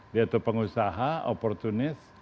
dia itu pengusaha oportunis